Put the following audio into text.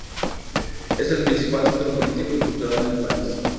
Es el principal centro político y cultural del país.